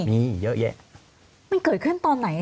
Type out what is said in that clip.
มีเยอะแยะ